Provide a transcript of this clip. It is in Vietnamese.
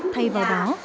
thay vào đó